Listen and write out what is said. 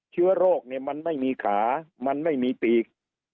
เชื้อโรคเนี่ยมันไม่มีขามันไม่มีปีก